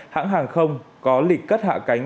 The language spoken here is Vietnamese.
hãng hàng không có lịch cất hạ cánh